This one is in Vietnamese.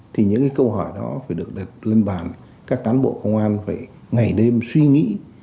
thì những cái câu hỏi đó phải được đặt lên bản các cán bộ công an phải ngày đêm suy nghĩ